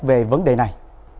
về vấn đề này